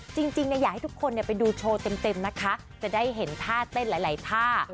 จริงอยากให้ทุกคนไปดูโชว์เต็มนะคะจะได้เห็นท่าเต้นหลายท่า